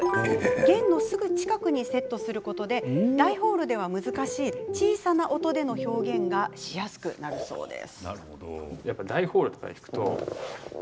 弦のすぐ近くにセットすることで大ホールでは難しい小さな音での表現がしやすくなるそうです。